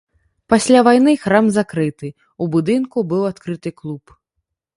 Пасля вайны храм закрыты, у будынку быў адкрыты клуб.